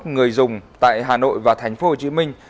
tám mươi một người dùng tại hà nội và thành phố hồ chí minh